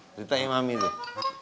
ceritain mami deh